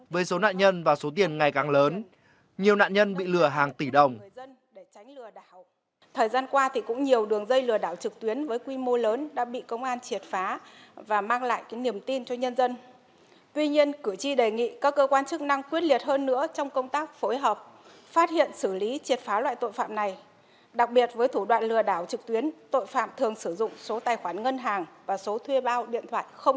với số nạn nhân và số tiền ngày càng lớn nhiều nạn nhân bị lừa hàng tỷ đồng